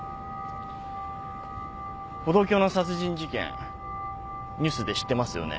歩道橋の殺人事件ニュースで知ってますよね？